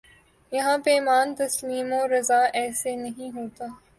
یہاں پیمان تسلیم و رضا ایسے نہیں ہوتا